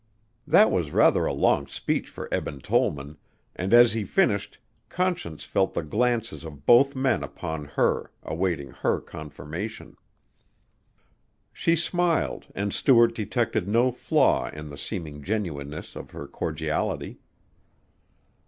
That was rather a long speech for Eben Tollman, and as he finished Conscience felt the glances of both men upon her, awaiting her confirmation. She smiled and Stuart detected no flaw in the seeming genuineness of her cordiality.